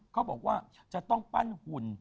เขาบอกว่าจะต้องปั้นหุ่น